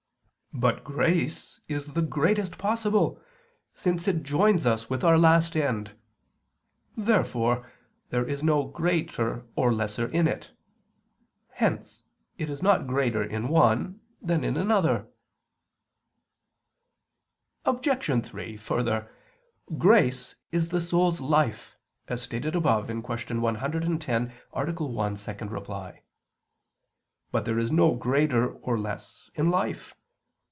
But grace is the greatest possible, since it joins us with our last end. Therefore there is no greater or less in it. Hence it is not greater in one than in another. Obj. 3: Further, grace is the soul's life, as stated above (Q. 110, A. 1, ad 2). But there is no greater or less in life.